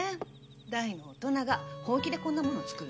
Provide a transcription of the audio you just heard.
大の大人が本気でこんなものを作るなんて。